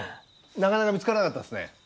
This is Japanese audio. なかなか見つからなかったですね。